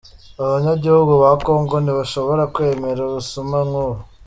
Abanyagihugu ba Congo ntibashobora kwemera ubusuma nk'ubu.